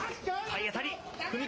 体当たり。